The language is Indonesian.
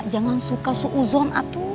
jangan suka sehuzon